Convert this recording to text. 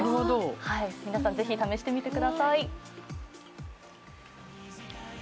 皆さんぜひ試してみてください。